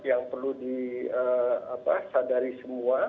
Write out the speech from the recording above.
yang perlu disadari semua